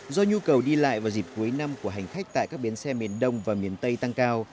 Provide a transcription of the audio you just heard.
do nhu cầu đi lại vào dịp cuối năm của hành khách tại các bến xe miền đông và miền tây tăng cao